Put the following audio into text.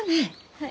はい。